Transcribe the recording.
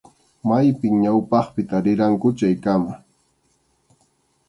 Maypim ñawpaqpi tarirqanku chaykama.